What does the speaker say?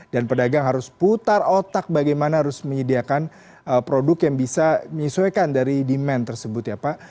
dan pedagang harus putar otak bagaimana harus menyediakan produk yang bisa menyesuaikan dari demand tersebut ya pak